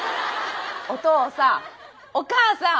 お父さんお母さん